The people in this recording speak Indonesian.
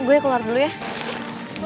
gue keluar dulu ya